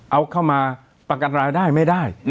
เอาเข้ามาประกันรายได้ไม่ได้